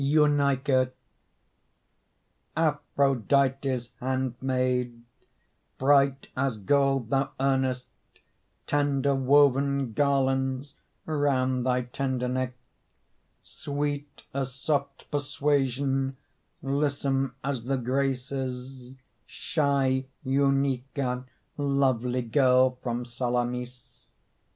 EUNEICA Aphrodite's handmaid, Bright as gold thou earnest, Tender woven garlands Round thy tender neck; Sweet as soft Persuasion, Lissome as the Graces, Shy Euneica, lovely Girl from Salamis.